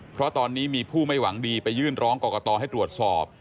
เพราะตอนนี้มีผู้ไม่หวังดีไปยื่นร้องกรกตให้ตรวจสอบ